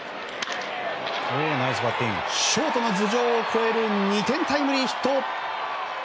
ショートの頭上を越える２点タイムリーヒット。